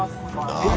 ああ！